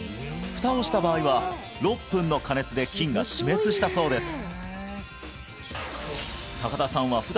フタをした場合は６分の加熱で菌が死滅したそうです